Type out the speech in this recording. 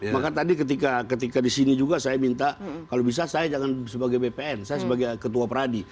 maka tadi ketika di sini juga saya minta kalau bisa saya jangan sebagai bpn saya sebagai ketua pradi